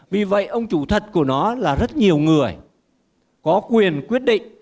vì vậy ông chủ thật của nó là rất nhiều người có quyền quyết định